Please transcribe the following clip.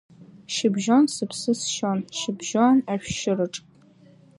Шьыбжьон Сыԥсы сшьон шьыбжьон ашәшьыраҿ…